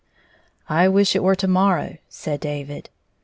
" I wish it were to morrow," said David.